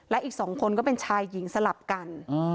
และอีก๒คนก็เป็นชายหญิงสลับกัน